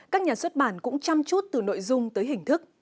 các nhà xuất bản cũng chăm chút từ nội dung tới hình thức